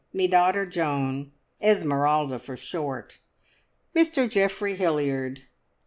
Me daughter Joan! Esmeralda, for short. Mr Geoffrey Hilliard!"